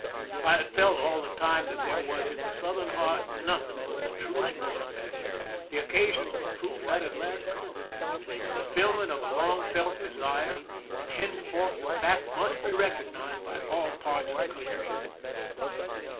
I had felt all the time that there was in the Southern heart nothing bnt the truest loyalty ; the occasion for proof had at last come, the fulfilment of a long felt desire, and henceforth the fact must be recognized by all parts of the country.